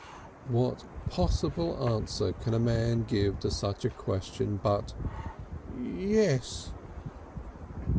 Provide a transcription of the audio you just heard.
What possible answer can a man give to such a question but "Yes!"